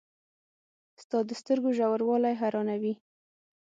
• ستا د سترګو ژوروالی حیرانوي.